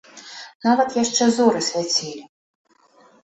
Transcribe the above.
Нават яшчэ зоры свяцілі.